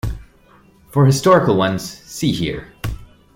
For historical ones, see here.